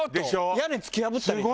屋根突き破ったりとか。